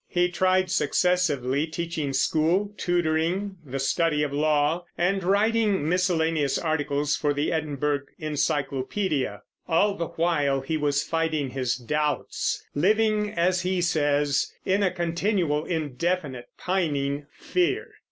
He tried successively teaching school, tutoring, the study of law, and writing miscellaneous articles for the Edinburgh Encyclopedia. All the while he was fighting his doubts, living, as he says, "in a continual, indefinite, pining fear."